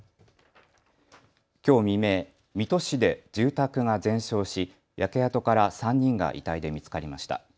きょう未明、水戸市で住宅が全焼し焼け跡から３人が遺体で見つかりました。